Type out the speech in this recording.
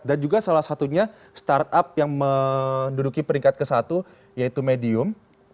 dan juga salah satunya startup yang menduduki peringkat ke satu yaitu medium